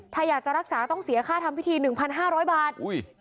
ถ้าอยากจะรักษาต้องเสียค่าทำพิธี๑๕๐๐บาท